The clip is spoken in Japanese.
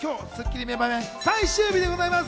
『スッキリ』名場面、今日最終日でございます。